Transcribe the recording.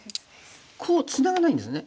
こうツナがないんですね。